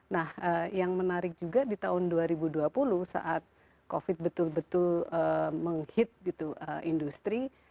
nah yang menarik juga di tahun dua ribu dua puluh saat covid betul betul menghit gitu industri